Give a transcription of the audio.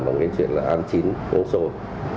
bằng cái chuyện là ăn chín uống sôi